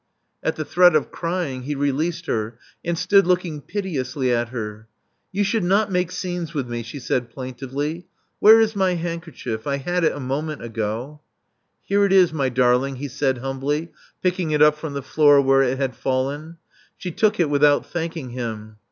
At the threat of cr}4ng he released her, and stood l(K)kinj^ pitcously at her. "You should not make scenes with me," she said plaintively. Where is my handkerchief ? I had it a moment ago." 'M lere it is, my darling, he said humbly, picking it iij) frc^m the floor where it had fallen. She took it without thanking him.